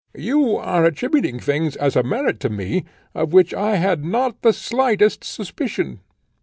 "You are attributing things as a merit to me, of which I had not the slightest suspicion.